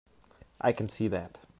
I can see that.